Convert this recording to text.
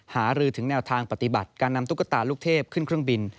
หารือถึงแนวทางปฏิบัติการนำตุ๊กตาลูกเทพขึ้นเครื่องบิน